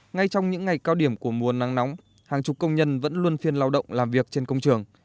ngay trong những ngày cao điểm của mùa nắng nóng hàng chục công nhân vẫn luôn phiên lao động làm việc trên công trường